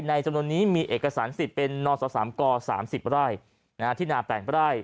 ในจำนวนนี้มีเอกสารสิทธิ์เป็นนสก๓๐ไร่ที่นาแปลงไปได้